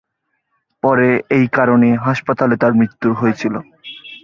পরে এই কারণে হাসপাতালে তাঁর মৃত্যুর হয়েছিল।